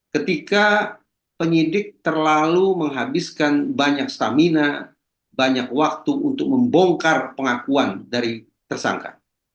ketika penyidik terlalu menghabiskan banyak stamina banyak waktu untuk membongkar pengakuan dari tersangka